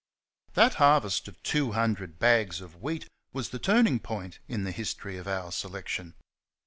That harvest of two hundred bags of wheat was the turning point in the history of our selection.